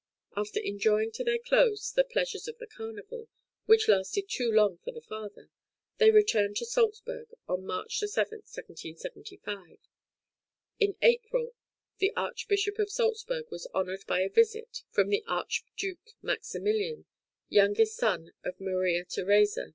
After enjoying to their close the pleasures of the Carnival, which lasted too long for the father, they returned to Salzburg on March 7,1775. In April the Archbishop of Salzburg was honoured by a visit from the Archduke Maximilian, youngest son of Maria Theresa (b.